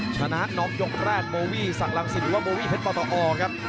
ชนะน้องยกแรดโบวี่สังลังศิลป์หรือว่าโบวี่เพชรประตออร์ครับ